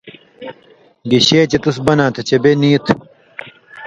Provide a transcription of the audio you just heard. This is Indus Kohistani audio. (گِشے چے تُس بناں تھہ چے بے نی تھہ)